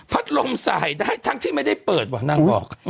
พัดลมใสได้ทั้งที่ไม่ได้เปิดวะนั่งบอก